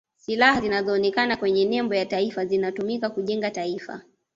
silaha zinazoonekana kwenye nembo ya taifa zinatumika kujenga taifa